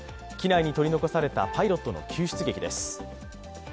機内に取り残されたパイロットの救出劇です。